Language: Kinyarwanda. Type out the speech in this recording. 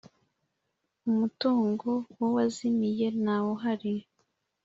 umutungo w’ uwazimiye ntawuhari.